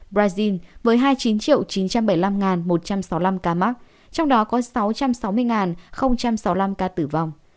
brazil với hai mươi chín chín trăm bảy mươi năm một trăm sáu mươi năm ca mắc trong đó có sáu trăm sáu mươi sáu mươi năm ca tử vong